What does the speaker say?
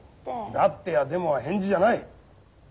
「だって」や「でも」は返事じゃない。